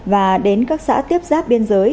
và đến các xã tiếp giáp biên giới